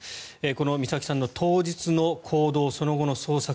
この美咲さんの当日の行動その後の捜索